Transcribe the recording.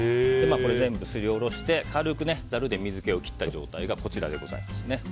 全部すりおろして軽くざるで水気を切った状態がこちらになります。